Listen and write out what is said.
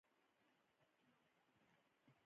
بزګر له خولې، بادې او بارانه نه وېرېږي نه